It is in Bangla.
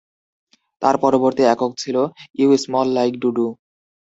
তার পরবর্তী একক ছিল "ইউ স্মল লাইক ডু-ডু"।